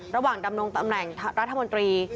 ระหว่างดำนงตำแหน่งรัฐมนตรี